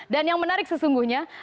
dan yang menarik sesungguhnya